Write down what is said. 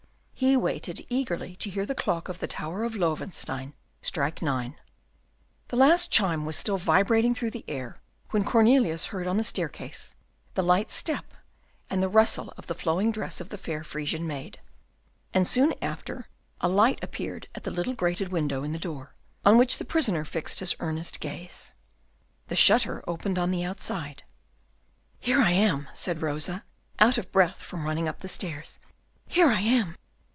He waited eagerly to hear the clock of the tower of Loewestein strike nine. The last chime was still vibrating through the air, when Cornelius heard on the staircase the light step and the rustle of the flowing dress of the fair Frisian maid, and soon after a light appeared at the little grated window in the door, on which the prisoner fixed his earnest gaze. The shutter opened on the outside. "Here I am," said Rosa, out of breath from running up the stairs, "here I am."